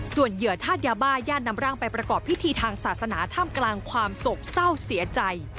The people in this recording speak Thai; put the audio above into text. ส่วนเหยื่อธาตุยาบ้าญาตินำร่างไปประกอบพิธีทางศาสนาท่ามกลางความโศกเศร้าเสียใจ